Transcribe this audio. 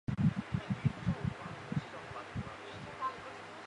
鲫鱼草是禾本科画眉草属的植物。